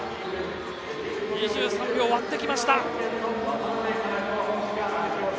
２３秒を割ってきました。